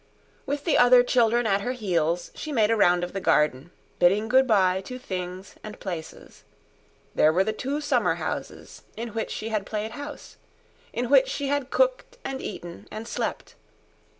With the other children at her heels she made a round of the garden, bidding good bye to things and places. There were the two summer houses in which she had played house; in which she had cooked and eaten and slept.